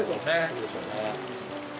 そうでしょうね。